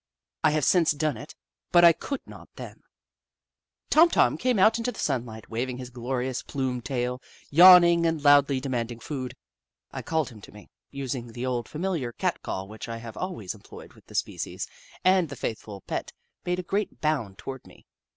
I have since done it, but 1 could not then. Little Upsidaisi 7 Tom Tom came out into the sunlight, wav ing his glorious, plumed tail, yawning, and loudly demanding food. I called him to me, using the old, familiar Cat call which I have always employed with the species, and the faithful pet made a great bound toward me.